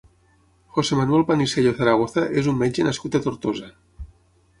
José Manuel Panisello Zaragoza és un metge nascut a Tortosa.